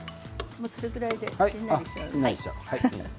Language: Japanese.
それぐらいで、しんなりしちゃう。